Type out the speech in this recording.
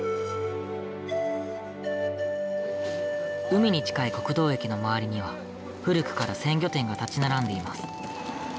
海に近い国道駅の周りには古くから鮮魚店が立ち並んでいます。